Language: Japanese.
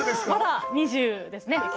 まだ２０ですね。